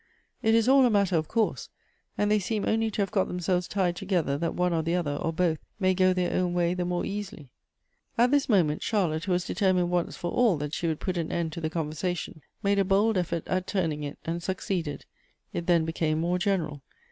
It is all a matter of course ; and they seem only to have got themselves tied together, that one or the other, or both, may go their own way the more easily." At this moment, Charlotte, who was determined once for all that she would put an end to the conversation, made a bold effort at turning it, and succeeded. It then became move general.